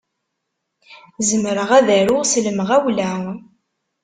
Zemreɣ ad aruɣ s lemɣawla.